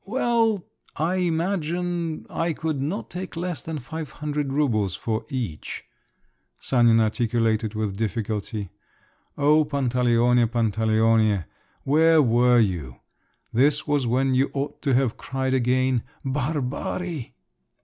"Well … I imagine … I could not take less than five hundred roubles for each," Sanin articulated with difficulty. O Pantaleone, Pantaleone, where were you! This was when you ought to have cried again, "Barbari!"